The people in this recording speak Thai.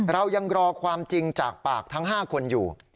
เรายังรอความจริงจากปากทั้ง๕คนอยู่